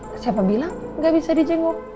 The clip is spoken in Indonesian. wah siapa bilang gak bisa di jenguk